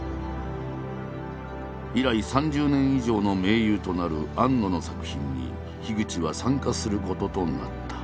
以来３０年以上の盟友となる庵野の作品に口は参加することとなった。